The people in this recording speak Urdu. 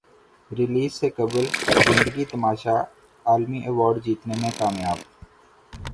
ریلیز سے قبل زندگی تماشا عالمی ایوارڈ جیتنے میں کامیاب